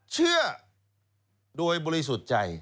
เชื่อโดยบริสุทธิ์ใจ